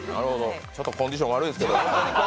ちょっとコンディション悪いですけどね。